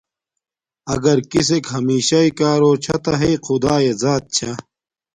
اگَر کݵسݵک ہمݵشݳئی کݳرݸ چھݳ تݳ ہݵئ خدݳیݺ ذݳت چھݳ.